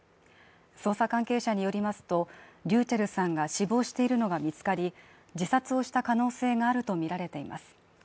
捜査関係者によりますと、ｒｙｕｃｈｅｌｌさんが死亡しているのが見つかり、自殺をした可能性があるとみられています。